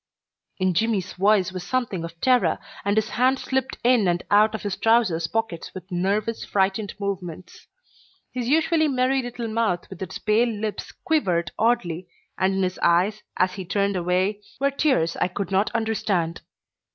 In Jimmy's voice was something of terror, and his hands slipped in and out of his trousers' pockets with nervous, frightened movements. His usually merry little mouth with its pale lips quivered oddly, and in his eyes, as he turned away, were tears I could not understand.